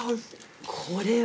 これは。